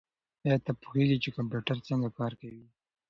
ایا ته پوهېږې چې کمپیوټر څنګه کار کوي؟